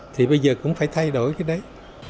thì bây giờ cũng phải thay đổi cái đấy